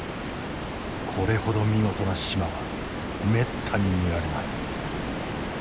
これほど見事な縞はめったに見られない。